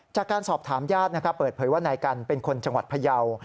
จากการสอบถามญาตินะครับเปิดเผยว่านายกันเป็นคนจังหวัดพยาว